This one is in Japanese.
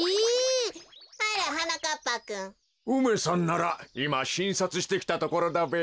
梅さんならいましんさつしてきたところだべ。